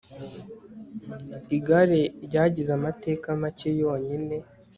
igare ryagize amateka make yonyine